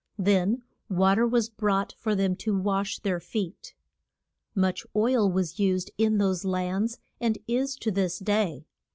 Then wa ter was brought for them to wash their feet. Much oil was used in those lands, and is to this day.